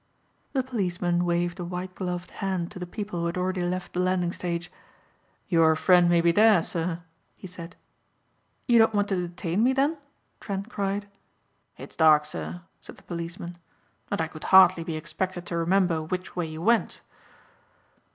The policeman waved a white gloved hand to the people who had already left the landing stage. "Your friend may be there, sir," he said. "You don't want to detain me, then?" Trent cried. "It's dark, sir," said the policeman, "and I could hardly be expected to remember which way you went."